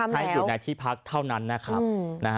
ให้อยู่ในที่พักเท่านั้นนะครับ